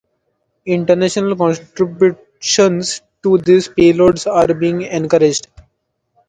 International contributions to these payloads are being encouraged.